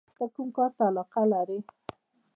ته کوم کار ته علاقه لرې؟